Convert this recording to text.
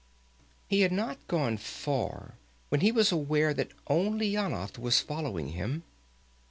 He had not gone far when he was aware that only Yanath was following him.